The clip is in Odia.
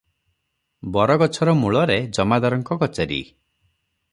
ବରଗଛର ମୂଳରେ ଜମାଦାରଙ୍କ କଚେରୀ ।